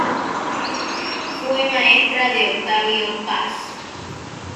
Fue maestra de Octavio Paz.